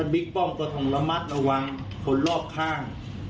บิ๊กป้อมก็ทงระมัดระวังคนรอบข้าง